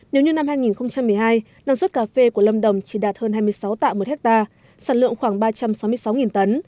nếu như năm hai nghìn một mươi hai năng suất cà phê của lâm đồng chỉ đạt hơn hai mươi sáu tạ một ha sản lượng khoảng ba trăm sáu mươi sáu tấn